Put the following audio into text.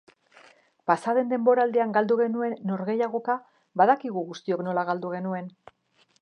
Pasa den denboraldian galdu genuen norgehiagoka badakigu guztiok nola galdu genuen.